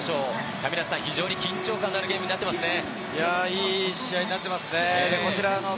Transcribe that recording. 亀梨さん、非常に緊張感のあるゲームになってますね。